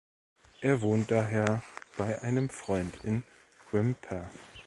Er wohnt daher bei einem Freund in Quimper.